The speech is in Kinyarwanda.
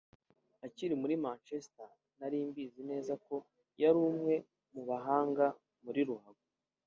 Akiri muri Manchester nari mbizi neza ko yari umwe mu bahanga muri ruhago